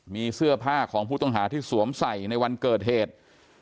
มีเสื้อผ้าของผู้ต้องหาที่สวมใส่ในวันเกิดเหตุ